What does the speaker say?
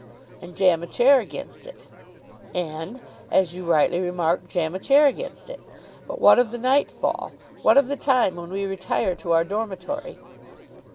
"And jam a chair against it." "And, as you rightly remark, jam a chair against it. But what of the nightfall? What of the time when we retire to our dormitory?"